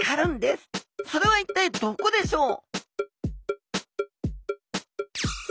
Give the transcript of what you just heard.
それは一体どこでしょう？